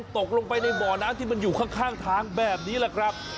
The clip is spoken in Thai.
ตกลงไปในบ่อน้ำที่มันอยู่ข้างทางแบบนี้แหละครับ